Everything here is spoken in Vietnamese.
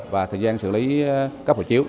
và thời gian xử lý cấp hộ chiếu